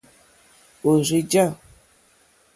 Òrzì jǎ.